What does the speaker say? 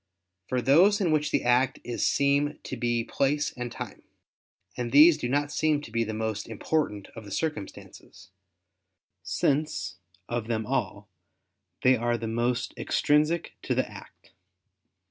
For those in which the act is seem to be place and time: and these do not seem to be the most important of the circumstances, since, of them all, they are the most extrinsic to the act.